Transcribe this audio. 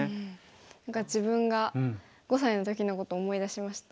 何か自分が５歳の時のことを思い出しました。